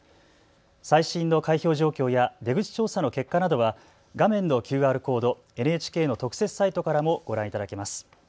最新の開票状況や出口調査の結果などは、画面のＱＲコード、ＮＨＫの特設サイトからもご覧いただけます。